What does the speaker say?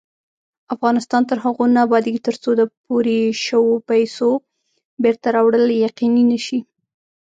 افغانستان تر هغو نه ابادیږي، ترڅو د پورې شوو پیسو بېرته راوړل یقیني نشي.